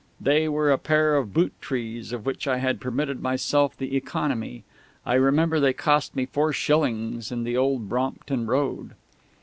They were a pair of boot trees of which I had permitted myself the economy. I remember they cost me four shillings in the old Brompton Road.